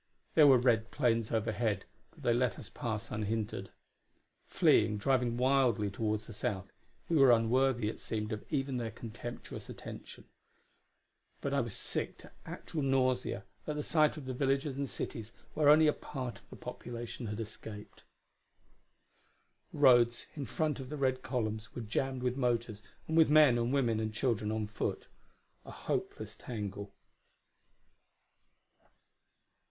There were red planes overhead, but they let us pass unhindered. Fleeing, driving wildly toward the south, we were unworthy, it seemed, of even their contemptuous attention. But I was sick to actual nausea at sight of the villages and cities where only a part of the population had escaped. The roads, in front of the red columns, were jammed with motors and with men and women and children on foot: a hopeless tangle.